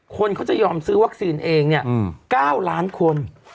คนเขาจะยอมซื้อวัคซีนเองเนี่ย๙ล้านคน